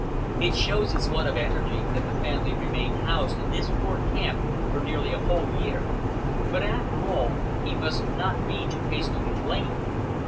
It shows his want of energy that the family remained housed in this poor camp for nearly a whole year; but, after all, he must not be too hastily blamed.